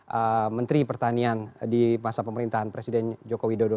sebagai menteri pertanian di masa pemerintahan presiden joko widodo